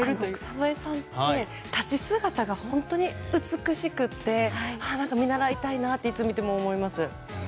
草笛さんって立ち姿が本当に美しくて見習いたいなといつ見ても思います。